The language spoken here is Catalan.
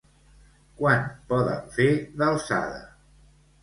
Quant poden fer d'alçada?